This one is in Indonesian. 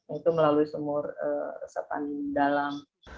itu melalui sumur resapan dalam